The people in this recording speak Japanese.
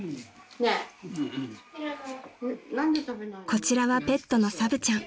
［こちらはペットのサブちゃん］